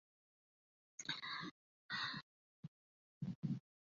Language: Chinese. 他现在效力于塞尔维亚足球超级联赛球队库卡瑞奇足球俱乐部。